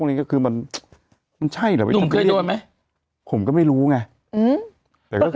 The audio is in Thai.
วันนี้ก็คือมันมันใช่หรอหนุ่มเคยโดนไหมผมก็ไม่รู้ไงอืม